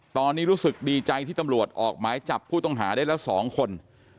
ตอนนี้รู้สึกดีใจที่ตำรวจออกหมายจับผู้ต้องหาได้แล้ว๒คน